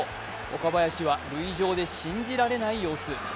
岡林は塁上で信じられない様子。